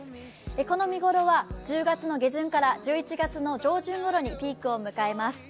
この見頃は１０月下旬から１１月上旬ごろにピークを迎えます。